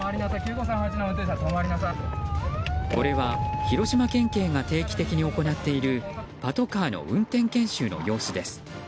これは広島県警が定期的に行っているパトカーの運転研修の様子です。